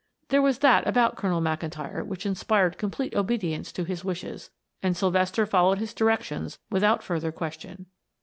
There was that about Colonel McIntyre which inspired complete obedience to his wishes, and Sylvester followed his directions without further question.